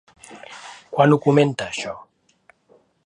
Quan ho comenta això?